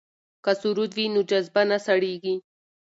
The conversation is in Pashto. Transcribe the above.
که سرود وي نو جذبه نه سړیږي.